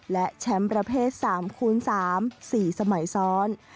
และแชมป์ประเภท๓คูณ๓๔สมัยซ้อน